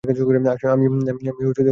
আমিও তোমার সাথে যাব।